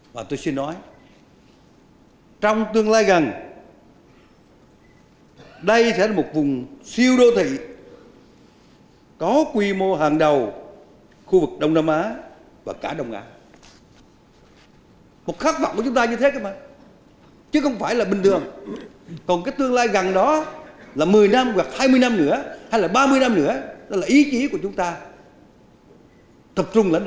và tôi xin nói trong tương lai gần đây sẽ là một vùng siêu đô thị có quy mô hàng đầu khu vực đông nam á và cả đông nga